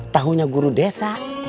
tahunya guru desa